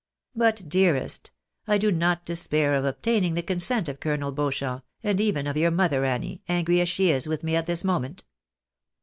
But, dearest, I do not despair of obtaining the consent of Colonel Beauchamp, and even of your mother, Annie, angry as she is with me at this moment.